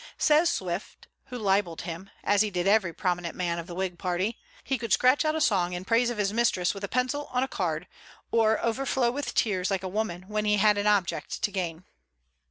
Says Swift, who libelled him, as he did every prominent man of the Whig party, "He could scratch out a song in praise of his mistress with a pencil on a card, or overflow with tears like a woman when he had an object to gain."